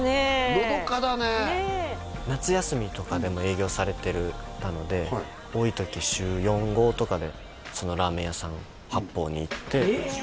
のどかだね夏休みとかでも営業されてたので多い時週４５とかでそのラーメン屋さん八方に行ってええ